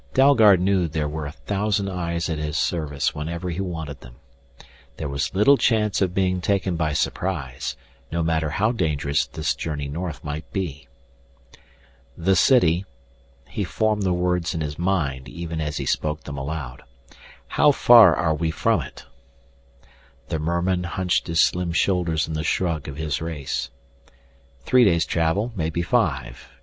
Dalgard knew there were a thousand eyes at his service whenever he wanted them. There was little chance of being taken by surprise, no matter how dangerous this journey north might be. "The city " He formed the words in his mind even as he spoke them aloud. "How far are we from it?" The merman hunched his slim shoulders in the shrug of his race. "Three days' travel, maybe five.